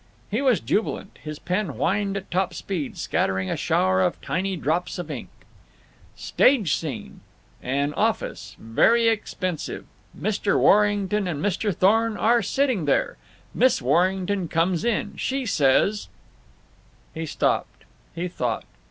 He was jubilant. His pen whined at top speed, scattering a shower of tiny drops of ink. _Stage Scene: An office. Very expensive. Mr. Warrington and Mr. Thorne are sitting there. Miss Warrington comes in. She says:_ He stopped. He thought.